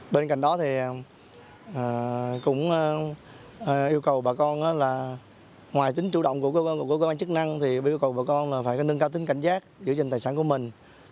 bên cạnh đó thì cũng yêu cầu bà con là ngoài tính chủ động của cơ quan chức năng thì yêu cầu bà con là phải nâng cao tính cảnh giác giữ gìn tài sản của mình